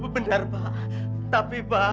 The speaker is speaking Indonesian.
benar pak tapi pak